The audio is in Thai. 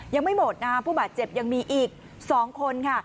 ยังไม่หมดนะคะผู้บาดเจ็บยังมีอีก๒คนค่ะ